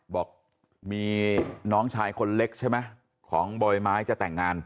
บอกมีน้องชายคนเล็กใช่ไหมของบอยไม้จะแต่งงาน